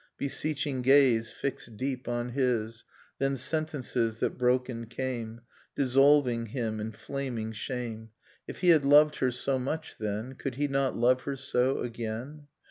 Beseeching gaze fixed deep on his; Then sentences that broken came. Dissolving him in flaming shame ... If he had loved her so much then, Could he not love her so again?